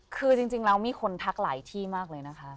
คือจริงแล้วมีคนทักหลายที่มากเลยนะคะ